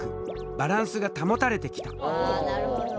バランスが保たれてきた。